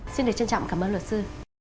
xin được trân trọng cảm ơn luật sư